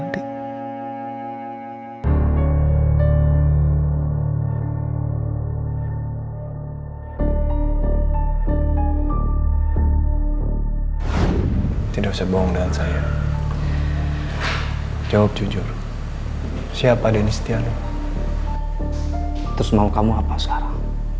terus mau kamu apa sekarang